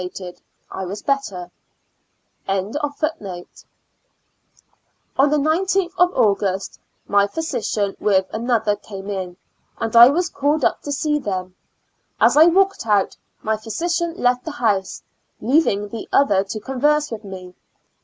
* On the 19th of August, my physician with another came in, and I was called up to see them; as I walked out, my physician left the house, leaving the other to converse with me.